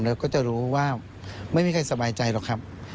แล้วก็จะรู้ว่าไม่มีใครสบายใจหรอกครับ